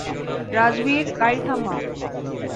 রাজবীর, গাড়ি থামাও!